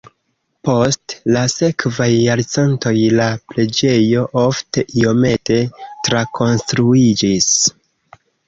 Post la sekvaj jarcentoj la preĝejo ofte iomete trakonstruiĝis.